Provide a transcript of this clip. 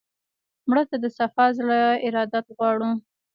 مړه ته د صفا زړه ارادت غواړو